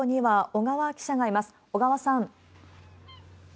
小川さん。